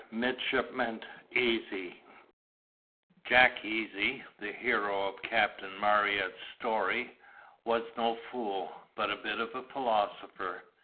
MIDSHIPMAN EASY Jack Easy, the hero of Captain Marryat's story, was "no fool, but a bit of a philosopher."